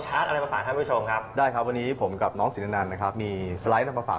อ้านะครับเพราะฉะนั้นดูดีใช่ไหมพี่